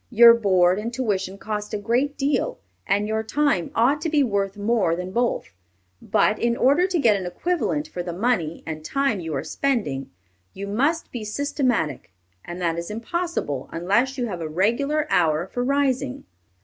Your board and tuition cost a great deal, and your time ought to be worth more than both; but, in order to get an equivalent for the money and time you are spending, you must be systematic, and that is impossible, unless you have a regular hour for rising....